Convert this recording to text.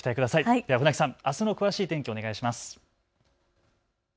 では船木さん、あすの詳しい天気をお願いします。